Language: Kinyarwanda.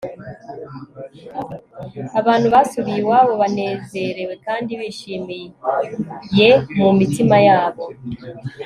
abantu basubiye iwabo banezerewe kandi bishimiye mu mitima yabo